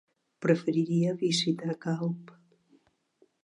Preferiria visitar Calp.